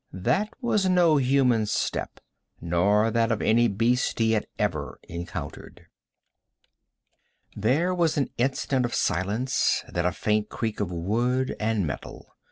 That was no human step, nor that of any beast he had ever encountered. There was an instant of silence, then a faint creak of wood and metal.